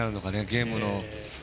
ゲームの。